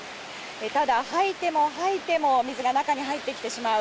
ただ、はいてもはいても水が中に入ってきてしまう。